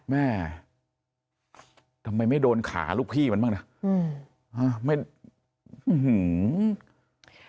แม่ทำไมไม่โดนขาลูกพี่มันบ้างน่ะอืมอ่าไม่หือหือ